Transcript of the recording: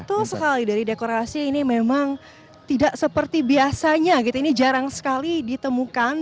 betul sekali dari dekorasi ini memang tidak seperti biasanya ini jarang sekali ditemukan